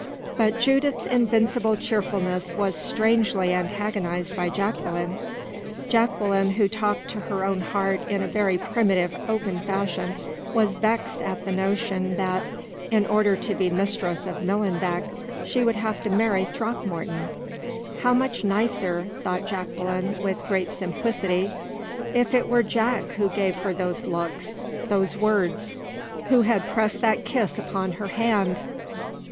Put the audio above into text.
But Judith's invincible cheerfulness was strangely antagonized by Jacqueline. Jacqueline, who talked to her own heart in a very primitive, open fashion, was vexed at the notion that, in order to be mistress of Millenbeck, she would have to marry Throckmorton. How much nicer, thought Jacqueline, with great simplicity, if it were Jack who gave her those looks, those words, who had pressed that kiss upon her hand!